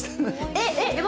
えっ！？